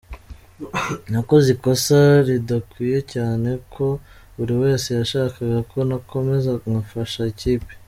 Nakoze ikosa ridakwiye cyane ko buri wese yashakaga ko nakomeza ngafasha ikipe”.